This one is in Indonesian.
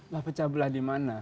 lah pecah belah di mana